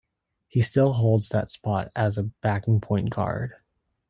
He still holds that spot as a backing Point Guard.